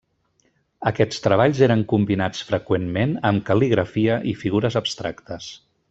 Aquests treballs eren combinats freqüentment amb cal·ligrafia i figures abstractes.